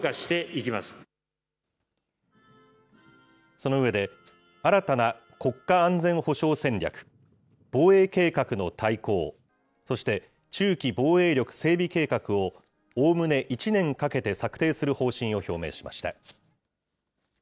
その上で、新たな国家安全保障戦略、防衛計画の大綱、そして中期防衛力整備計画を、おおむね１年かけて策定する方針を表明しました。